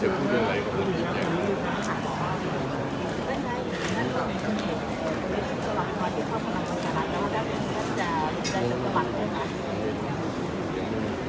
พร้อมใช่ไหมคะ